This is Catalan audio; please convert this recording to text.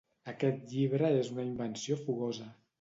aquest llibre és una invenció fogosa